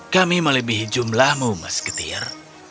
kami melebihi jumlahmu mas ketir